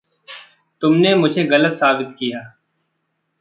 तुमने मुझे गलत साबित किया।